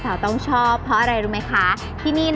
เพราะว่าผักหวานจะสามารถทำออกมาเป็นเมนูอะไรได้บ้าง